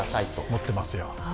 持ってますよ。